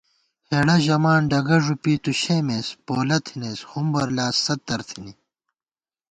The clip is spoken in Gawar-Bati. ہېڑہ ژَمان ڈگہ ݫُپی تُوشېمېس، پولہ تھنَئیس ہُمبر لا ستر تھنی